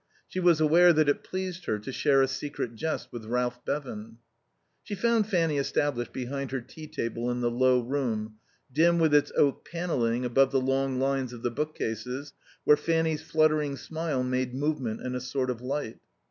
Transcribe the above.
She was aware that it pleased her to share a secret jest with Ralph Bevan. She found Fanny established behind her tea table in the low room, dim with its oak panelling above the long lines of the bookcases, where Fanny's fluttering smile made movement and a sort of light.